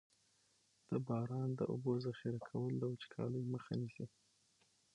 د باران د اوبو ذخیره کول د وچکالۍ مخه نیسي.